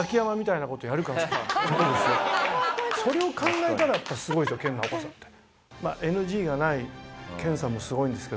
「それを考えたらやっぱすごいですよ研ナオコさんって」